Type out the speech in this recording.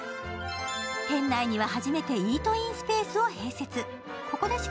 店内には初めてイートインスペースを併設。